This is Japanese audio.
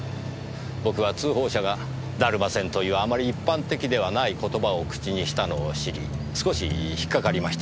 僕は通報者が「だるま船」というあまり一般的ではない言葉を口にしたのを知り少し引っ掛かりました。